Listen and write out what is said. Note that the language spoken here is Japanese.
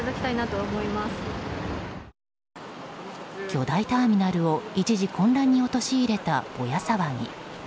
巨大ターミナルを一時混乱に陥れた、ぼや騒ぎ。